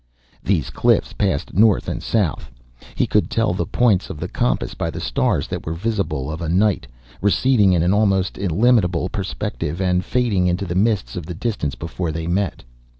These cliffs passed north and south he could tell the points of the compass by the stars that were visible of a night receding in an almost illimitable perspective and fading into the mists of the distance before they met.